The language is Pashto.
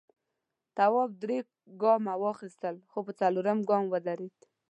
تواب درې گامه واخیستل خو په څلورم گام ودرېد.